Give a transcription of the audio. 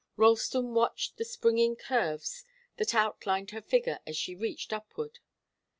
Ralston watched the springing curves that outlined her figure as she reached upward.